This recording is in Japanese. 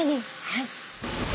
はい。